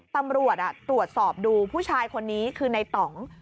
ตำรวจตรวจสอบดูผู้ชายคนนี้คือในต่อง